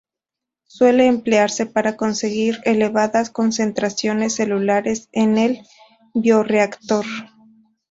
Suele emplearse para conseguir elevadas concentraciones celulares en el biorreactor.